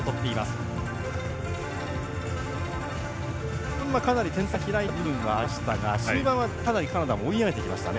序盤はかなり点差が開いた部分はありましたが終盤は、かなりカナダも追い上げてきましたね。